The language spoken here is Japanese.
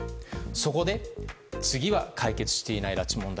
そこで、次は解決していない拉致問題